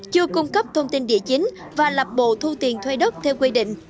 chưa cung cấp thông tin địa chính và lập bộ thu tiền thuê đất theo quy định